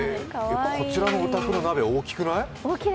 こちらのお宅の鍋、大きくない？